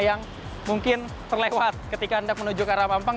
yang mungkin terlewat ketika anda menuju ke arah mampang